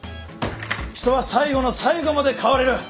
人は最後の最後まで変われる！